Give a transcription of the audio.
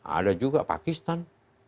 ada juga pakistan